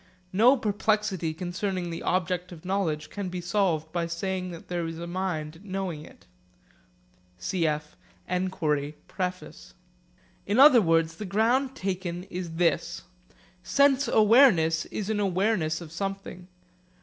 No perplexity concerning the object of knowledge can be solved by saying that there is a mind knowing it. Cf. Enquiry, preface. In other words, the ground taken is this: sense awareness is an awareness of something.